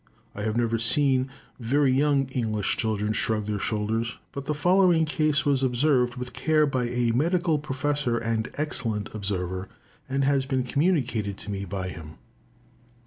I have never seen very young English children shrug their shoulders, but the following case was observed with care by a medical professor and excellent observer, and has been communicated to me by him.